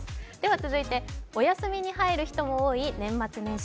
続いては、お休みに入る人も多い年末年始。